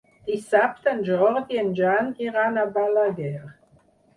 Dissabte en Jordi i en Jan iran a Balaguer.